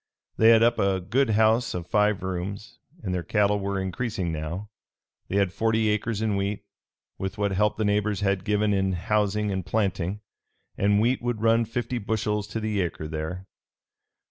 They had up a good house of five rooms, and their cattle were increasing now. They had forty acres in wheat, with what help the neighbors had given in housing and planting; and wheat would run fifty bushels to the acre there.